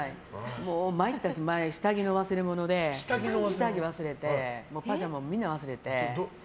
下着の忘れ物で、下着忘れてパジャマもみんな忘れて。